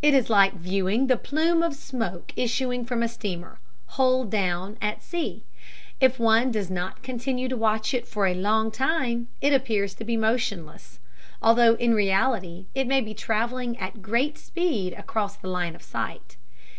It is like viewing the plume of smoke issuing from a steamer, hull down, at sea: if one does not continue to watch it for a long time it appears to be motionless, although in reality it may be traveling at great speed across the line of sight.